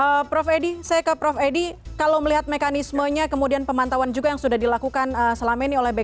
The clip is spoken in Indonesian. oke prof edi saya ke prof edi kalau melihat mekanismenya kemudian pemantauan juga yang sudah dilakukan selama ini oleh bkp